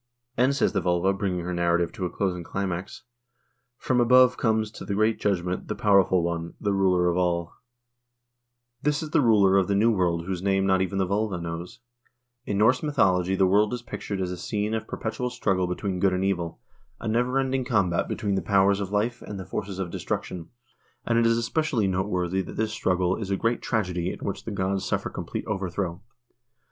And, says the vglva, bringing her narrative to a closing climax : From above comes to the great judgment the powerful one, the ruler of all. 1 Qimle is the name of the hall and of the mountain on which it stands. THE VIKING PERIOD 107 This is the ruler of the new world whose name not even the volva knows. In Norse mythology the world is pictured as a scene of per petual struggle between good and evil, a never ending combat be tween the powers of life and the forces of destruction, and it is espe cially noteworthy that this struggle is a great tragedy in which the gods suffer complete overthrow.